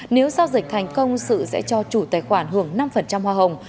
nếu giao dịch thành công sự sẽ cho chủ tài khoản hưởng năm hoa hồng